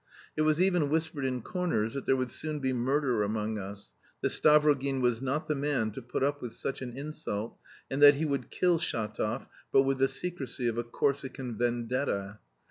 It was even whispered in corners that there would soon be murder among us, that Stavrogin was not the man to put up with such an insult, and that he would kill Shatov, but with the secrecy of a Corsican vendetta.